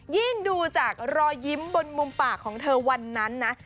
ยิ่งดูจากรอยยิ้มบนมุมปากของเธอวันนั้นนะ